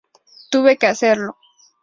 Tuve que hacerlo.